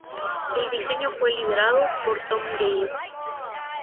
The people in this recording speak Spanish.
El diseño fue liderado por Tom Gale.